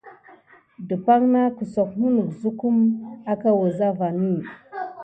Depakè kedoho maku aka keɓosukni de wuza kam kin tät.